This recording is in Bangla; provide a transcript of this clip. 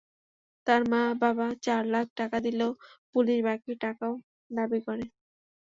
তার মা-বাবা চার লাখ টাকা দিলেও পুলিশ বাকি টাকাও দাবি করে।